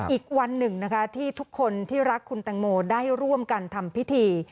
อีกวันหนึ่งนะคะที่ทุกคนที่รักคุณแตงโมได้ร่วมกันทำพิธี